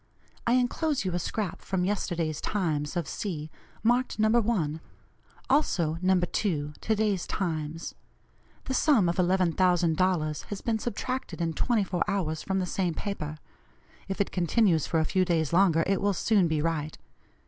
I enclose you a scrap from yesterday's Times of C., marked No. 1; also No. 2, to day's Times. The sum of $11,000 has been subtracted in twenty four hours from the same paper. If it continues for a few days longer, it will soon be right.